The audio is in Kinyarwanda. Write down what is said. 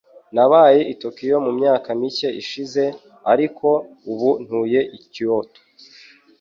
Nabaye i Tokiyo mu myaka mike ishize, ariko ubu ntuye i Kyoto.